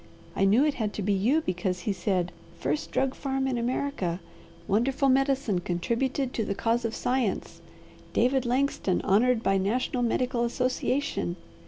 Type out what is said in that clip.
I knew it had to be you because he said, 'First drug farm in America! Wonderful medicine contributed to the cause of science! David Langston honoured by National Medical Association!'